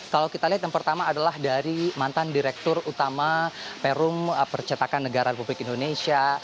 kalau kita lihat yang pertama adalah dari mantan direktur utama perum percetakan negara republik indonesia